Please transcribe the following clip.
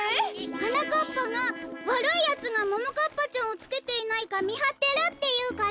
はなかっぱがわるいやつがももかっぱちゃんをつけていないかみはってるっていうから。